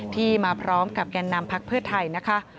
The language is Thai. ที่มาพร้อมกับแก่นนำพักเพื่อไทยนะคะ